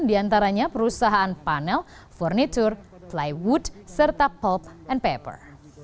diantaranya perusahaan panel furniture plywood serta pulp and paper